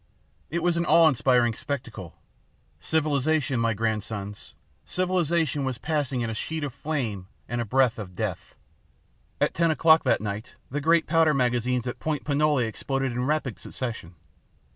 It was an awe inspiring spectacle. Civilization, my grandsons, civilization was passing in a sheet of flame and a breath of death. At ten o'clock that night, the great powder magazines at Point Pinole exploded in rapid succession.